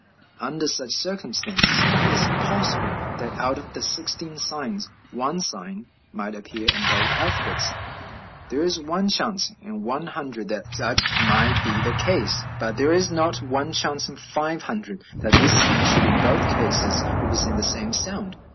Under such circumstances it is possible that out of the sixteen signs one sign might appear in both alphabets; there is one chance in one hundred that such might be the case; but there is not one chance in five hundred that this sign should in both cases represent the same sound.